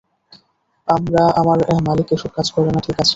আমার মালিক এসব কাজ করে না, ঠিক আছে।